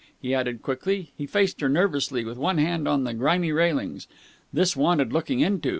he added quickly. He faced her nervously, with one hand on the grimy railings. This wanted looking into.